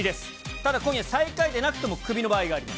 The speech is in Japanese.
ただ今夜最下位でなくてもクビの場合があります。